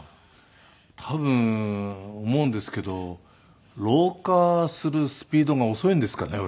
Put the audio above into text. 多分思うんですけど老化するスピードが遅いんですかね俺。